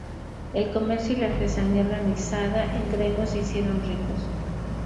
El comercio y la artesanía organizada en gremios se hicieron ricos.